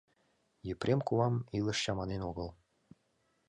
Епрем кувам илыш чаманен огыл.